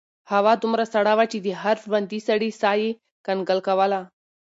هوا دومره سړه وه چې د هر ژوندي سري ساه یې کنګل کوله.